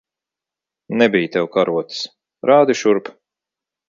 Nebij tev karotes. Rādi šurp!